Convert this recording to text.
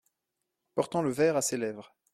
Portant le verre à ses lèvres.